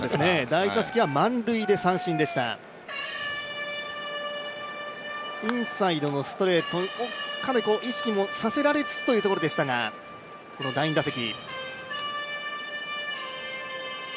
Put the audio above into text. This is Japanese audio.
第１打席は満塁で三振でしたインサイドのストレート、どこかで意識もさせられつつというところでしたがこの第２打席。